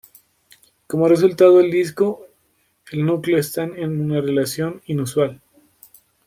Como resultado, el disco y el núcleo están en una relación inusual.